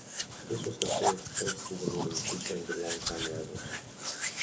This was the fifth postseason meeting featuring the long time rivals.